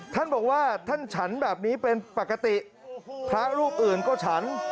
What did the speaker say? ท่านบอกว่าท่านฉันแบบนี้เป็นปกติพระรูปอื่นก็ฉัน